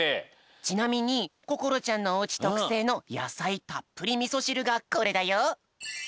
ちなみにこころちゃんのおうちとくせいのやさいたっぷりみそしるがこれだよ。